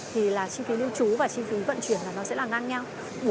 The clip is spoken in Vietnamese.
thì là chi phí lưu trú và chi phí vận chuyển sẽ là ngang nhau